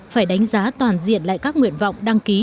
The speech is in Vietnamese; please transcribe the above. phải đánh giá toàn diện lại các nguyện vọng đăng ký